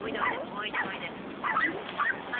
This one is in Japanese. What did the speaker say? おいでおいではい。